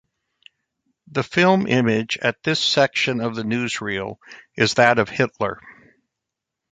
The film image at this section of the newsreel is that of Hitler.